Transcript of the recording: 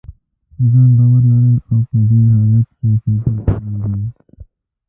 په ځان باور لرل او په دې حالت کې اوسېدل اړین دي.